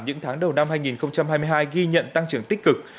những tháng đầu năm hai nghìn hai mươi hai ghi nhận tăng trưởng tích cực